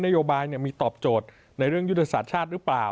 โยบายมีตอบโจทย์ในเรื่องยุทธศาสตร์ชาติหรือเปล่า